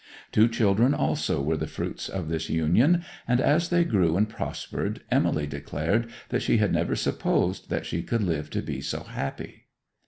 Two children also were the fruits of this union, and, as they grew and prospered, Emily declared that she had never supposed that she could live to be so happy.